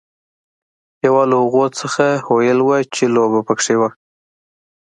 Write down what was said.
یوه له هغو څخه هویل وه چې لوبه پکې وه.